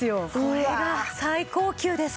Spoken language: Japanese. これが最高級ですか。